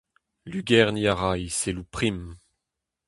Lugerniñ a ra he selloù prim.